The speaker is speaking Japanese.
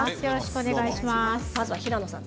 まずは平野さん